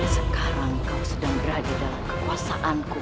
sekarang kau sedang berada dalam kekuasaanku